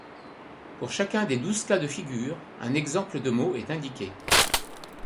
Pour chacun des douze cas de figure, un exemple de mot est indiqué.